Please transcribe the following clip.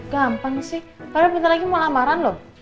gampang sih padahal bentar lagi mau lamaran loh